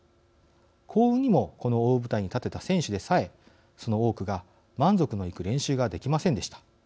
幸運にも、この大舞台に立てた選手でさえその多くが満足のいく練習ができませんでした。